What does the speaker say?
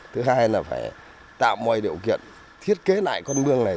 thứ hai là phải tạo mọi điều kiện thiết kế lại con mương này